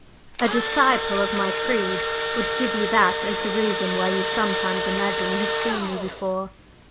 A disciple of my creed would give you that as the reason why you sometimes imagine you have seen me before."